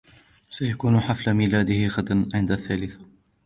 سيكون حفل ميلاده غدا عند الثالثة.